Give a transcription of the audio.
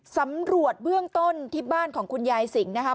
สำรวจเบื้องต้นที่บ้านของคุณยายสิงห์นะคะ